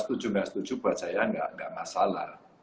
buat saya enggak masalah